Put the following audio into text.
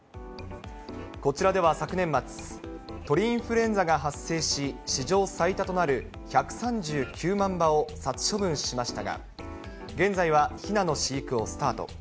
こちらでは昨年末、鳥インフルエンザが発生し、史上最多となる１３９万羽を殺処分しましたが、現在はひなの飼育をスタート。